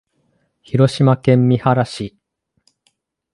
広島県三原市